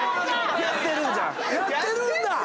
やってるんだ！